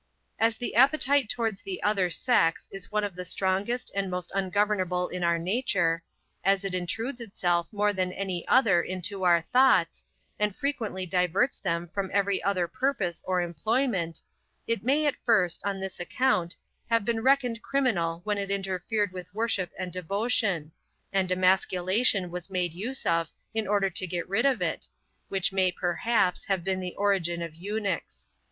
As the appetite towards the other sex is one of the strongest and most ungovernable in our nature; as it intrudes itself more than any other into our thoughts, and frequently diverts them from every other purpose or employment; it may, at first, on this account, have been reckoned criminal when it interfered with worship and devotion; and emasculation was made use of in order to get rid of it, which may, perhaps, have been the origin of Eunuchs.